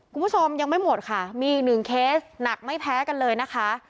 คุณผู้ชมยังไม่หมดค่ะมีอีกหนึ่งเคสหนักไม่แพ้กันเลยนะคะ